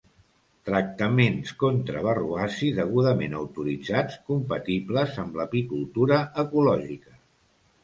Tractaments contra varroasi degudament autoritzats, compatibles amb l'apicultura ecològica.